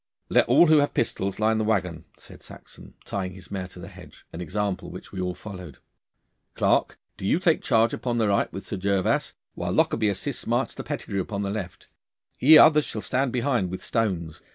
'Let all who have pistols line the waggon,' said Saxon, tying his mare to the hedge an example which we all followed. 'Clarke, do you take charge upon the right with Sir Gervas, while Lockarby assists Master Pettigrue upon the left. Ye others shall stand behind with stones.